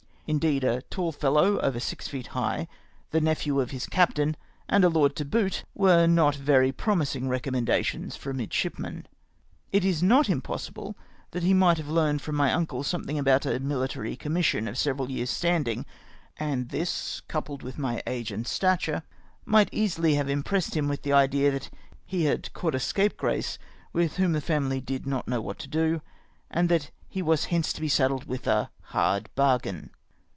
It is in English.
Lideed, a tall fellow, over six feet high, the nephew of his captain, and a lord to boot, were not very promising recommenda tions for a midshipman. It is not impossible that he might have learned from my uncle something about a mihtary commission of several years' standing ; and this, coupled with my age and stature, might easily have impressed him with the idea that he had caught a scapegrace with whom the family did not know what to do, and that he was hence to be saddled with a " hard bargain."